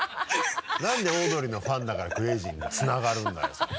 なんでオードリーのファンだからクレイジーにつながるんだよそこ。